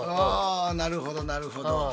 あなるほどなるほど。